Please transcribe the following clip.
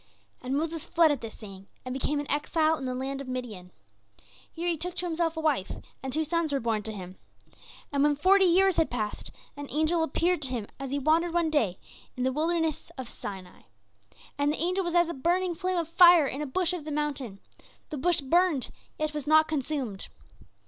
"And Moses fled at this saying, and became an exile in the land of Midian. Here he took to himself a wife, and two sons were born to him. And when forty years had passed, an angel appeared to him as he wandered one day in the wilderness of Sinai; and the angel was as a burning flame of fire in a bush of the mountain the bush burned, yet was not consumed.